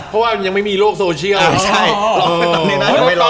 เพราะว่ายังไม่มีโลกโซเชียล